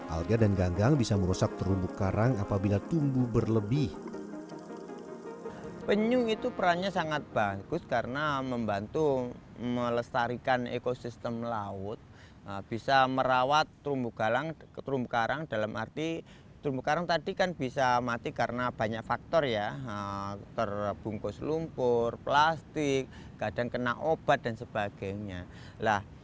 alga dan ganggang bisa merosak terumbu karang apabila tumbuh berlebih